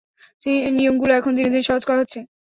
নিয়মগুলি এখন দিনে দিনে সহজ করা হচ্ছে।